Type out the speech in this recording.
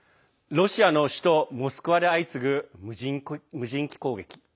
ロシアの首都モスクワで相次ぐ無人機攻撃。